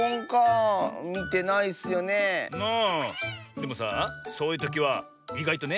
でもさあそういうときはいがいとね